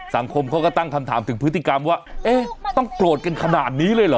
สังคมเขาก็ตั้งคำถามถึงพฤติกรรมว่าเอ๊ะต้องโกรธกันขนาดนี้เลยเหรอ